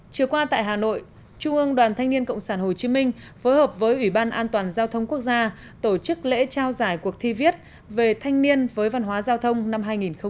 chiều qua tại hà nội trung ương đoàn thanh niên cộng sản hồ chí minh phối hợp với ủy ban an toàn giao thông quốc gia tổ chức lễ trao giải cuộc thi viết về thanh niên với văn hóa giao thông năm hai nghìn một mươi chín